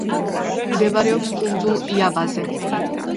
მდებარეობს კუნძულ იავაზე.